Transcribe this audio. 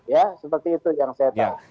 ya seperti itu yang saya tahu